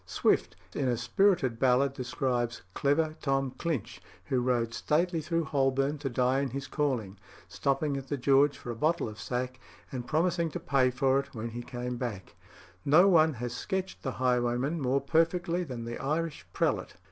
Swift, in a spirited ballad describes "clever Tom Clinch," who rode "stately through Holborn to die in his calling," stopping at the George for a bottle of sack, and promising to pay for it "when he came back." No one has sketched the highwayman more perfectly than the Irish prelate.